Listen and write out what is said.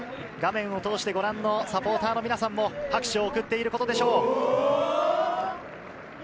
画面を通してご覧のサポーターの皆さんも、拍手を送っていることでしょう。